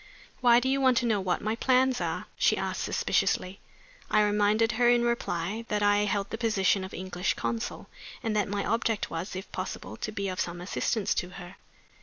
"Why do you want to know what my plans are?" she asked, suspiciously. I reminded her in reply that I held the position of English consul, and that my object was, if possible, to be of some assistance to her.